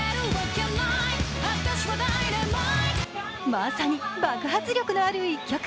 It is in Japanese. まさに爆発力のある一曲。